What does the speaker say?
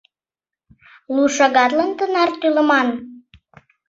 — Лу шагатлан тынар тӱлыман?